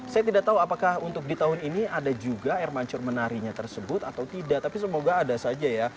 saya tidak tahu apakah untuk di tahun ini ada juga air mancur menarinya tersebut atau tidak tapi semoga ada saja ya